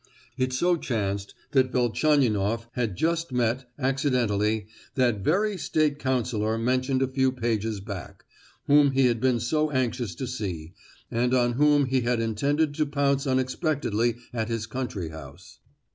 It so chanced that Velchaninoff had just met, accidentally, that very state councillor mentioned a few pages back, whom he had been so anxious to see, and on whom he had intended to pounce unexpectedly at his country house.